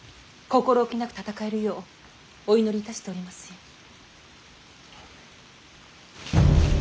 心おきなく戦えるようお祈りいたしておりますよ。